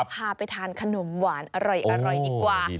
พาไปทานขนมหวานอร่อยดีกว่า